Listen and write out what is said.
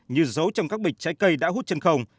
như giấu trong các bịch trái cây đã hút chân không